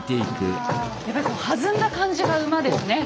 やっぱりこう弾んだ感じが馬ですね。